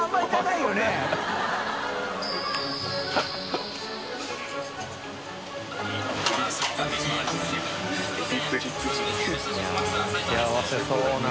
いや幸せそうな。